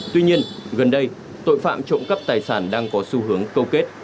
tuy nhiên gần đây tội phạm trộm cắp tài sản đang có xu hướng câu kết